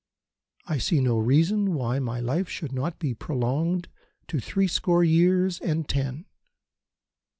I see no reason why my life should not be prolonged to threescore years and ten.